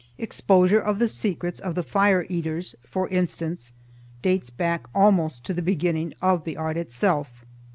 Exposure of the secrets of the fire eaters, for instance, dates back almost to the beginning of the art itself.